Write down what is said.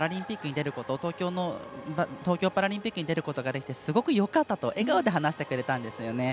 だから、今回東京パラリンピックに出ることができてすごくよかったと笑顔で話してくれたんですよね。